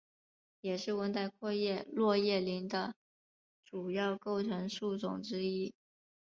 也是温带阔叶落叶林的主要构成树种之一。